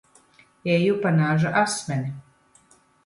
Eju pa naža asmeni.